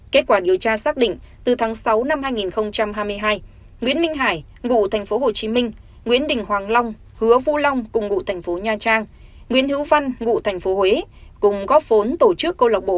kết quả điều tra xác định từ tháng sáu năm hai nghìn hai mươi hai nguyễn minh hải ngụ thành phố hồ chí minh nguyễn đình hoàng long hứa phu long cùng ngụ thành phố nha trang nguyễn hữu văn ngụ thành phố huế cùng góp phốn tổ chức câu lạc bộ